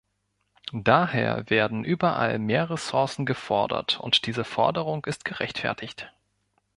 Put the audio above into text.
Daher werden überall mehr Ressourcen gefordert, und diese Forderung ist gerechtfertigt.